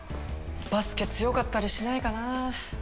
バスケ強かったりしないかな？